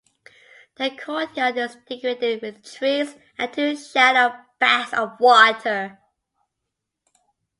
The courtyard is decorated with trees and two shallow baths of water.